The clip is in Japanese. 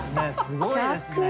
すごいですね。